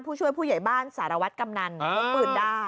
ผู้ช่วยผู้ใหญ่บ้านสารวัตรกำนันพกปืนได้